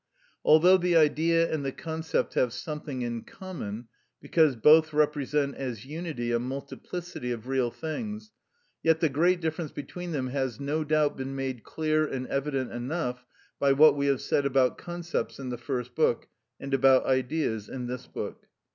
Although the Idea and the concept have something in common, because both represent as unity a multiplicity of real things; yet the great difference between them has no doubt been made clear and evident enough by what we have said about concepts in the first book, and about Ideas in this book.